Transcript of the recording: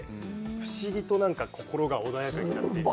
不思議と心が穏やかになっていく。